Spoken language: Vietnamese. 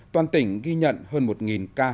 toàn tỉnh ghi nhận hơn một ca